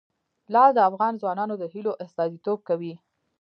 لعل د افغان ځوانانو د هیلو استازیتوب کوي.